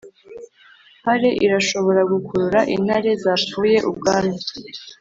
hare irashobora gukurura intare zapfuye ubwanwa.